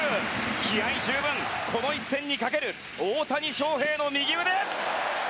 気合十分、この一戦にかける大谷翔平の右腕。